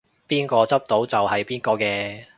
邊個執到就係邊個嘅